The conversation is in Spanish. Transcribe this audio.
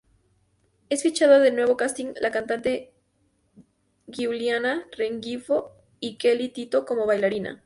Es fichada en nuevo casting la cantante Giuliana Rengifo y Kelly Tito como bailarina.